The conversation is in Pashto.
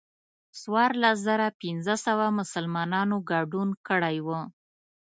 څوارلس زره پنځه سوه مسلمانانو ګډون کړی و.